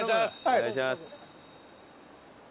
お願いします。